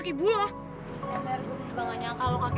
ember ibu juga gak nyangka kalau kakek mau lia